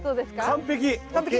完璧。